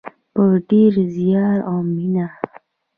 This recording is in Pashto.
په ډیر زیار او مینه.